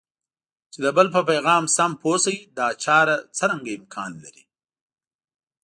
چې د بل په پیغام سم پوه شئ دا چاره څرنګه امکان لري؟